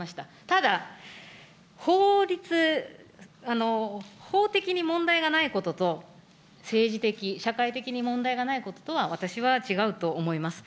ただ、法律、法的に問題がないことと、政治的、社会的に問題がないこととは、私は違うと思います。